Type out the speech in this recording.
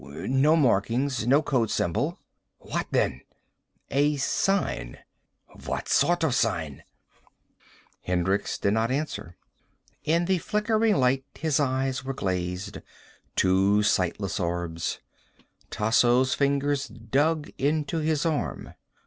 No markings. No code symbol." "What, then?" "A sign." "What sort of sign?" Hendricks did not answer. In the flickering light his eyes were glazed, two sightless orbs. Tasso's fingers dug into his arm.